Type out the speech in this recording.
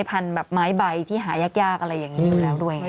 พันธุ์แบบไม้ใบที่หายากอะไรอย่างนี้อยู่แล้วด้วย